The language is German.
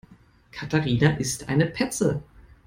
Katharina ist eine Petze.